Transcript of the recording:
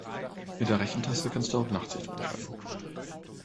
Mit der rechten Taste kannst du auf Nachtsicht umschalten.